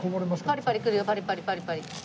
パリパリくるよパリパリパリパリ。